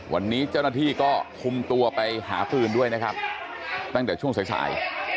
วันนี้เจ้าหน้าที่ก็คุมตัวไปหาปืนด้วยนะครับตั้งแต่ช่วงสายสาย